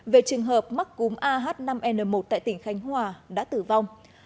về trường hợp mắc cúm ah năm n một tại tỉnh khánh hòa đã tử vong